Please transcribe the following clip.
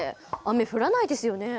雨降らないですよね。